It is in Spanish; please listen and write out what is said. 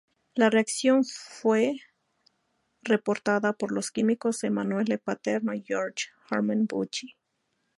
La reacción fue reportada por los químicos Emanuele Paternò y George Hermann Büchi.